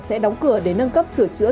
sẽ đóng cửa để nâng cấp sửa chữa